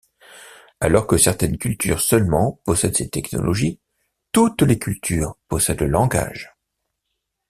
Alors que certaines cultures seulement possèdent ces technologies, toutes les cultures possèdent le langage.